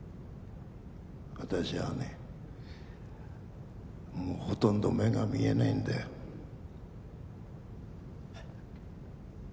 私はねもうほとんど目が見えないんだよえっ？